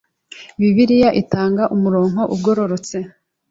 Bibiliya itanga umurongo ugororotse